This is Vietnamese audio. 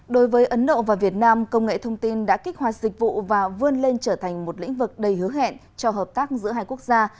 đối với ấn độ và việt nam công nghệ thông tin đã kích hoạt dịch vụ và vươn lên trở thành một lĩnh vực đầy hứa hẹn cho hợp tác giữa hai quốc gia